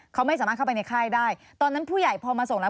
เขาไม่สามารถเข้าไปในค่ายได้ตอนนั้นผู้ใหญ่พอมาส่งแล้ว